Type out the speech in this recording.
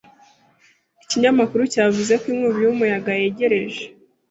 Ikinyamakuru cyavuze ko inkubi y'umuyaga yegereje.